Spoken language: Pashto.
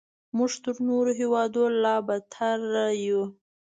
موږ تر نورو هیوادونو لا بدتر یو.